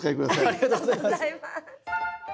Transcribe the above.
ありがとうございます。